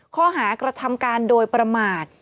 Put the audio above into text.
ข้อหากระทำการโดยประมาท